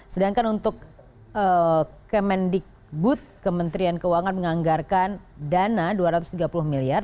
sedangkan untuk kemendikbud kementerian keuangan menganggarkan dana dua ratus tiga puluh miliar